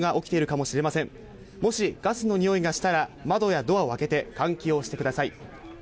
もしガスの臭いがしたら、窓やドアを開けて換気をしてください。